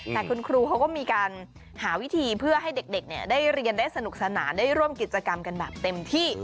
แต่คุณครูเขาก็มีการหาวิธีเพื่อให้เด็กได้เรียนได้สนุกสนานได้ร่วมกิจกรรมกันแบบเต็มที่